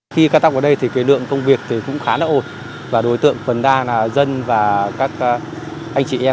khi ca tóc vào đây thì cái lượng công việc thì cũng khá là ổn và đối tượng phần đa là dân và các anh chị em